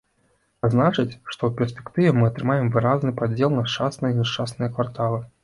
А значыць, што ў перспектыве мы атрымаем выразны падзел на шчасныя і няшчасныя кварталы.